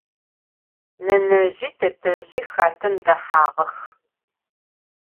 Nenezji tetezji xatem dehağex.